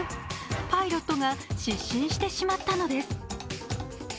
パイロットが失神してしまったのです。